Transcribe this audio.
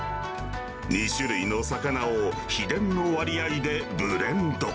２種類の魚を秘伝の割合でブレンド。